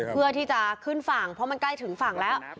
เพื่อที่จะขึ้นฝั่งเพราะมันใกล้ถึงฝั่งแล้ว